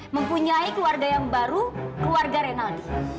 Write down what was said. mempunyai keluarga yang baru keluarga renaldi